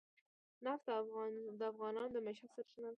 نفت د افغانانو د معیشت سرچینه ده.